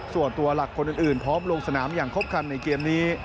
ส่วนตัวหลักคนอื่นพร้อมลงสนามอย่างครบคันในเกมนี้